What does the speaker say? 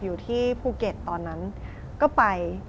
อยู่ที่ภูเก็ตตอนนั้นก็ไป